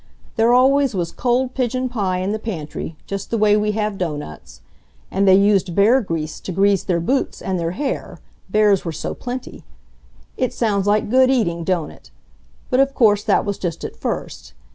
There always was cold pigeon pie in the pantry, just the way we have doughnuts. And they used bear grease to grease their boots and their hair, bears were so plenty. It sounds like good eating, don't it! But of course that was just at first.